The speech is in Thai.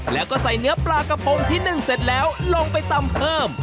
แล้วก็ใส่เนื้อปลากระพงที่นึ่งเสร็จแล้วลงไปตำเพิ่ม